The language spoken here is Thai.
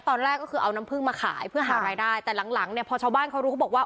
ตอนแรกก็คือเอาน้ำพึ่งมาขายเพื่อหารายได้แต่หลังหลังเนี่ยพอชาวบ้านเขารู้เขาบอกว่า